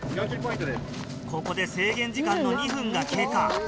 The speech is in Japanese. ここで制限時間の２分が経過。